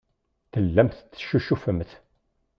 Tellamt teccucufemt.